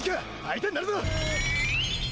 相手になるぞ！